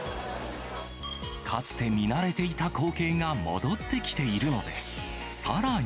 かつて見慣れていた光景が戻ってきているのです。